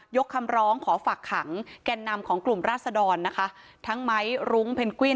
คำร้องขอฝากขังแก่นำของกลุ่มราศดรนะคะทั้งไม้รุ้งเพนกวิน